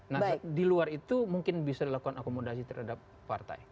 nah di luar itu mungkin bisa dilakukan akomodasi terhadap partai